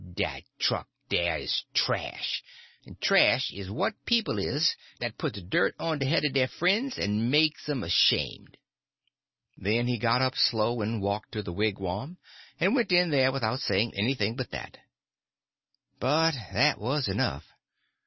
Dat truck dah is trash; en trash is what people is dat puts dirt on de head er dey fren's en makes 'em ashamed." Then he got up slow and walked to the wigwam, and went in there without saying anything but that. But that was enough.